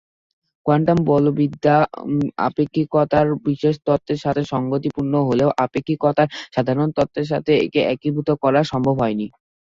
Quantum বলবিদ্যা আপেক্ষিকতার বিশেষ তত্ত্বের সাথে সঙ্গতিপূর্ণ হলেও আপেক্ষিকতার সাধারণ তত্ত্বের সাথে একে একীভূত করা সম্ভব হয়নি।